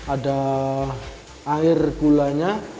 ada air gulanya